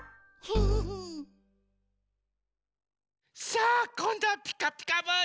さあこんどは「ピカピカブ！」ですよ。